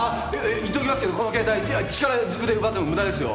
言っときますけどこの携帯力ずくで奪ってもムダですよ。